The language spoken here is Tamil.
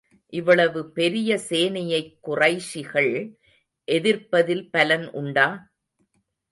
இவ்வளவு பெரிய சேனையைக் குறைஷிகள் எதிர்ப்பதில் பலன் உண்டா?